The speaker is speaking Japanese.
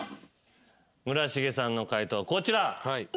村重さんの解答はこちら。